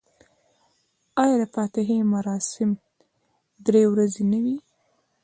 آیا د فاتحې مراسم درې ورځې نه وي؟